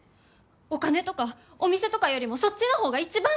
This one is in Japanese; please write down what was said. お金とかお店とかよりもそっちの方が一番！